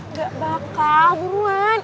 nggak bakal buruan